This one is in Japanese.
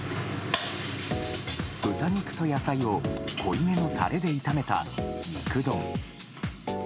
豚肉と野菜を濃い目のタレで炒めた肉丼。